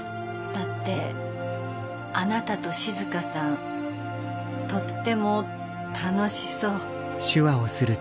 だってあなたと静さんとっても楽しそう。